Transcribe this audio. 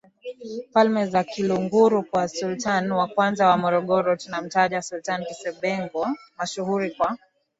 Falme za Kiluguru kuwa Sultan wa kwanza wa MorogoroTunamtaja Sultan Kisebengo mashuhuri kwa